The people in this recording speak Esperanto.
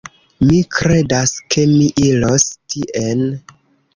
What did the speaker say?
Mi kredas, ke mi iros tien.